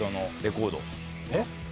えっ？